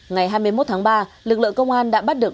ngày hai mươi một tháng ba lực lượng công an đã bắt được